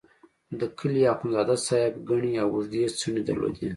د کلي اخندزاده صاحب ګڼې او اوږدې څڼې درلودې.